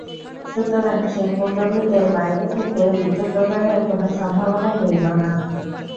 সুতরাং সেই কুণ্ডলীতে বাইরে থেকে বিদ্যুৎ–প্রবাহের কোনো সম্ভাবনাই রইল না।